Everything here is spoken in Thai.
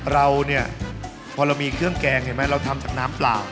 เราเนี่ยพอเรามีเครื่องแกงเห็นไหมเราทำจากน้ำเปล่า